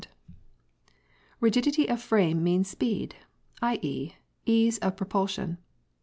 i> Rigidity of frame means speed, i.e., ease of propulsion.